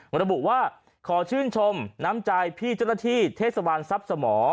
ระบุว่าขอชื่นชมน้ำใจพี่เจ้าหน้าที่เทศบาลทรัพย์สมอ